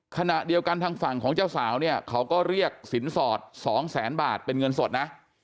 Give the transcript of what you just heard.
ขณะเดียวกันทางฝั่งของเจ้าสาวเนี่ยเขาก็เรียกสินสอด๒แสนบาทเป็นเงินสดนะ